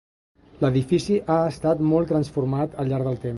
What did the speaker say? L'edifici ha estat molt transformat al llarg del temps.